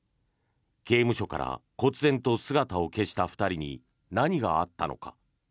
刑務所からこつぜんと姿を消した２人に何があったのか。